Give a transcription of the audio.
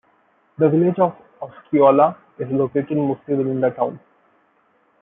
The village of Osceola is located mostly within the town.